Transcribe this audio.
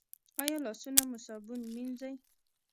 ایا لاسونه مو صابون مینځئ؟